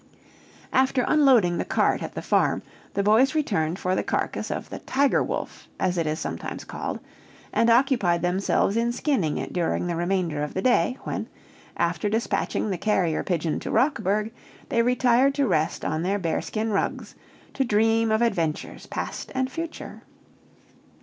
After unloading the cart at the farm, the boys returned for the carcass of the tiger wolf, as it is sometimes called, and occupied themselves in skinning it during the remainder of the day, when, after dispatching the carrier pigeon to Rockburg, they retired to rest on their bearskin rugs, to dream of adventures past and future.